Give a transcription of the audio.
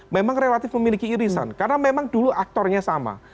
memang relatif memiliki irisan karena memang dulu aktornya sama